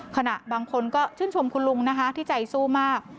บางคนก็ชื่นชมคุณลุงนะคะที่ใจสู้มาก